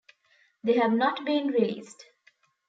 They have not been released.